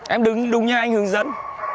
em đứng đúng như anh hướng dẫn